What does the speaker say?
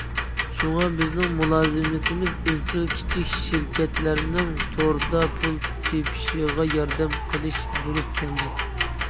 شۇڭا بىزنىڭ مۇلازىمىتىمىز ئىزچىل كىچىك شىركەتلەرنىڭ توردا پۇل تېپىشىغا ياردەم قىلىش بولۇپ كەلدى.